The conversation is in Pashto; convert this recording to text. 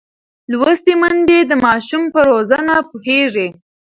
لوستې میندې د ماشوم پر روزنه پوهېږي.